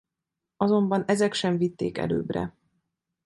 Azonban ezek sem vitték előbbre.